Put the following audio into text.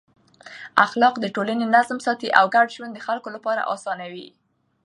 اخلاق د ټولنې نظم ساتي او ګډ ژوند د خلکو لپاره اسانوي.